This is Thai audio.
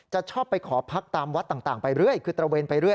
ชอบไปขอพักตามวัดต่างไปเรื่อยคือตระเวนไปเรื่อย